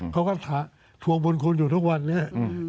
เค้าก็ถ่วงบนคุณอยู่ทุกวันนี้